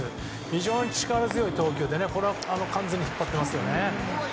非常に力強い投球で完全に引っ張ってますよね。